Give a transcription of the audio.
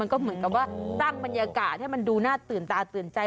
ก็เหมือนกับจะตั้งบรรยากาศให้มันตื่นตาตื่นใจ